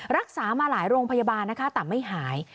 รักษามาหลายโรงพยาบาลนะคะแต่ไม่หาย